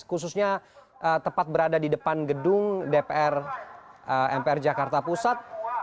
khususnya tepat berada di depan gedung dpr mpr jakarta pusat